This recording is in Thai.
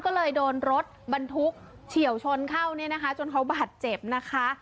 ของมหาวิทยาลัยแห่ง